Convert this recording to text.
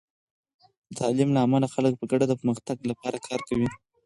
د تعلیم له امله، خلک په ګډه د پرمختګ لپاره کار کوي.